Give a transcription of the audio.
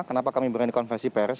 kenapa kami berani konversi pers